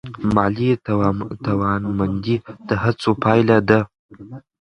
مالي توانمندي د هڅو پایله ده.